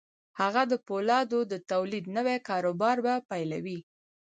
هغه د پولادو د تولید نوی کاروبار به پیلوي